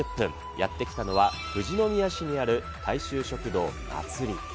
やって来たのは富士宮市にある大衆食堂祭。